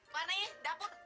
warna ini dapur